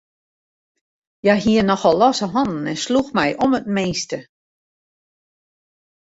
Hja hie nochal losse hannen en sloech my om it minste.